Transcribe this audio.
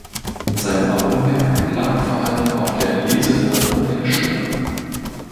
Sein Augenmerk lag vor allem auf der Leseförderung in der Schule.